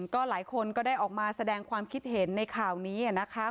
ก็หลายคนก็ได้ออกมาแสดงความคิดเห็นในข่าวนี้นะคะ